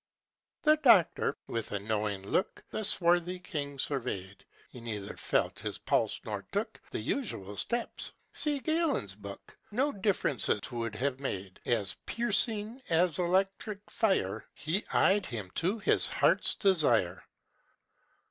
The doctor, with a knowing look, The swarthy king surveyed; He neither felt his pulse, nor took The usual steps, (see Galen's book), No difference 'twould have made As piercing as electric fire He eyed him to his heart's desire.